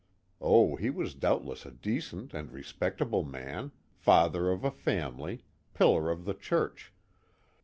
Oh, he was doubtless a decent and respectable man, father of a family, pillar of the church.